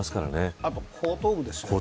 あと後頭部ですよね。